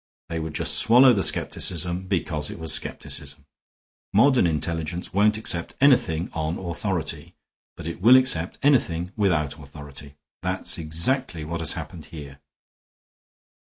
They would just swallow the skepticism because it was skepticism. Modern intelligence won't accept anything on authority. But it will accept anything without authority. That's exactly what has happened here.